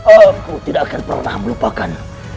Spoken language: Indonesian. aku tidak akan pernah melupakan